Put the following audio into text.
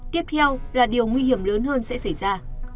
tiếp theo là điều nguy hiểm lớn hơn sẽ xảy ra